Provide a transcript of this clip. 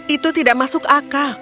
itu tidak masuk akal